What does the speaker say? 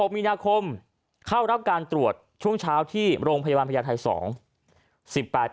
มีนาคมเข้ารับการตรวจช่วงเช้าที่โรงพยาบาลพญาไทย๒๘